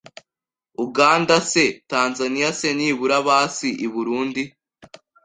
Uganda se, Tanzania se Nibura basi I Burundi